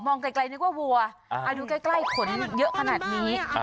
มองไกลไกลนึกว่าวัวอ่าดูใกล้ใกล้ขนเยอะขนาดนี้อ่า